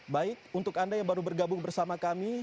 baik untuk anda yang baru bergabung bersama kami